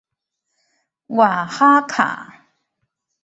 瓦哈卡。